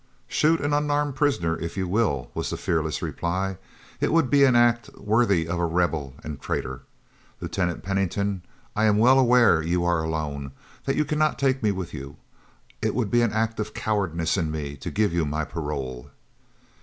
"Shoot an unarmed prisoner if you will," was the fearless reply; "it would be an act worthy of a Rebel and traitor. Lieutenant Pennington, I am well aware you are alone, that you cannot take me with you. It would be an act of cowardice in me to give you my parole."